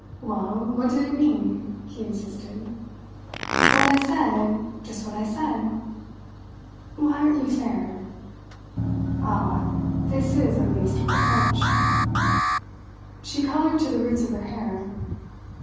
"Well, what did it mean?" he insisted. "What I said just what I said. Why aren't you fair?" "Ah, this is at least a reproach!" She coloured to the roots of her hair.